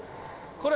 これ！